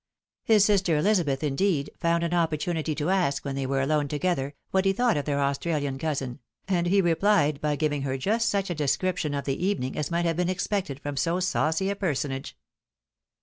His sister EUzabeth, indeed, found an opportunity to ask, when they were alone together, what he thought of their Australian cousin, and he replied by giving her just such a de scription of the evening as might have been expected from so saucy a personage.